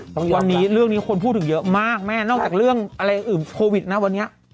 วันนี้เรื่องนี้คนพูดถึงเยอะมากแม่นอกจากเรื่องอะไรอื่นโควิดนะวันนี้